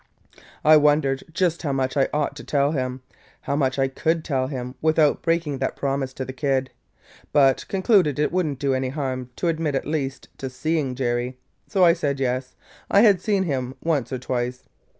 "I wondered just how much I ought to tell him: how much I could tell him without breaking that promise to the kid: but concluded it would n't do any harm to admit at least to seeing Jerry: so I said yes, I had seen him once or twice.